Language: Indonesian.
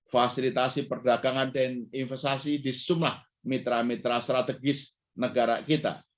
fasilitasi perdagangan dan investasi di sejumlah mitra mitra strategis negara kita